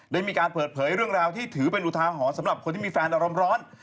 ได้มีการเปิดเผยเรื่องราวที่ถือเป็นอุทาหรณ์สำหรับคนที่มีแฟนอารมณ์ร้อน